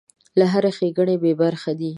له هرې ښېګڼې بې برخې دی.